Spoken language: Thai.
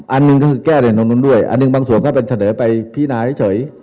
อันหนึ่งก็คือแก้ไขร่างรัฐธรรมนุนด้วยอันหนึ่งบางส่วนก็เป็นเฉดอายไปพินาให้เฉย